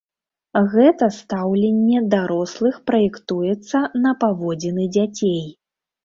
Гэта стаўленне дарослых праектуецца на паводзіны дзяцей.